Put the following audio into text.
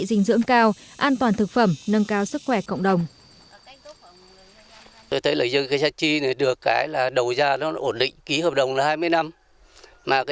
dinh dưỡng cao an toàn thực phẩm nâng cao sức khỏe cộng đồng